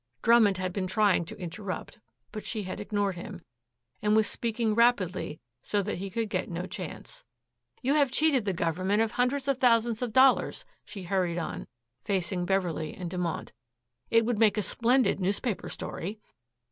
Drummond had been trying to interrupt, but she had ignored him, and was speaking rapidly so that he could get no chance. "You have cheated the Government of hundreds of thousands dollars," she hurried on facing Beverley and Dumont. "It would make a splendid newspaper story."